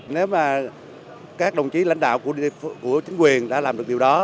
nếu mà các đồng chí lãnh đạo của chính quyền đã làm được điều đó